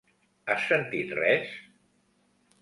Has sentit res?